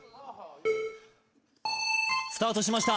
スタートしました